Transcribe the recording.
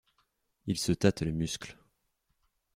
Il se tâte les muscles.